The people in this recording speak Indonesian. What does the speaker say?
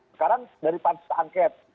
sekarang dari pansus anggit